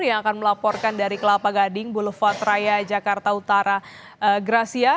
yang akan melaporkan dari kelapa gading boulevat raya jakarta utara gracia